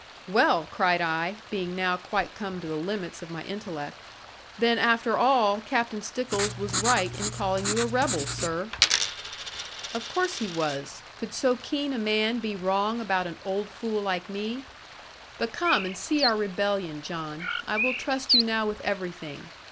'Well!' cried I, being now quite come to the limits of my intellect, 'then, after all, Captain Stickles was right in calling you a rebel, sir!' 'Of course he was; could so keen a man be wrong about an old fool like me? But come, and see our rebellion, John. I will trust you now with everything.